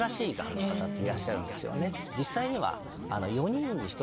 実際には。